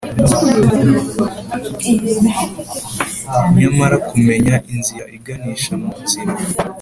nyamara kumenya inzira iganisha munzira,